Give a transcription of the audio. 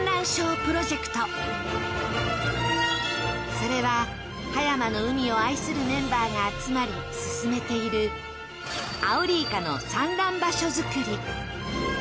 それは葉山の海を愛するメンバーが集まり進めているアオリイカの産卵場所作り。